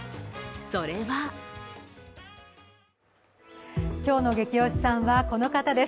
それは今日のゲキ推しさんはこの方です。